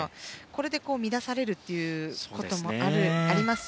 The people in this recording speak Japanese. これで乱されるということもあります